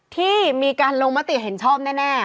ที่มีการลงมติเห็นชอบแน่